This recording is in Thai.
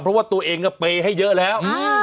เพราะว่าตัวเองก็เปย์ให้เยอะแล้ว